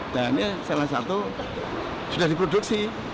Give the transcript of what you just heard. dan ini salah satu sudah diproduksi